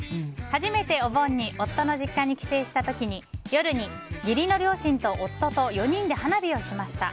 初めてお盆に夫の実家に帰省した時に夜に、義理の両親と夫と４人で花火をしました。